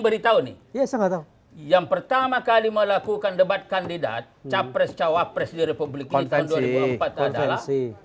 beritahu nih yang pertama kali melakukan debat kandidat capres cawapres di republik konfesi konfesi